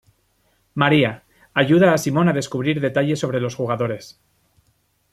María: ayuda a Simón a descubrir detalles sobre los jugadores.